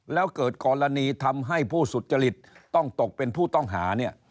แล้วเกิดกรณีทำให้ผู้สุจริตต้องตกเป็นผู้ต้องหาเนี่ย